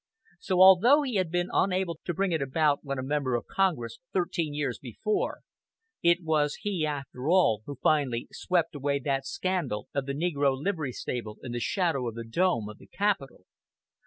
So, although he had been unable to bring it about when a member of Congress thirteen years before, it was he, after all, who finally swept away that scandal of the "negro livery stable" in the shadow of the dome of the Capitol.